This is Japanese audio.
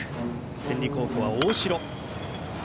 天理高校は大城。